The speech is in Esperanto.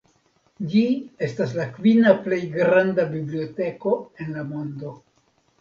Ĝi estas la kvina plej granda biblioteko en la mondo.